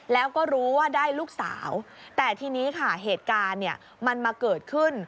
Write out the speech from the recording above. แล้วก็รู้ว่าได้ลูกสาวแต่ทีนี้ค่ะเหตุการณ์เนี่ยมันมาเกิดขึ้น